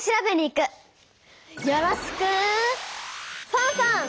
よろしくファンファン！